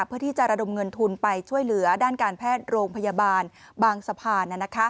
เพื่อที่จะระดมเงินทุนไปช่วยเหลือด้านการแพทย์โรงพยาบาลบางสะพาน